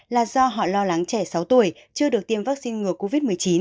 là do họ lo lắng trẻ sáu tuổi chưa được tiêm vaccine ngừa covid một mươi chín